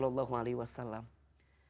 kata kata yang terbaik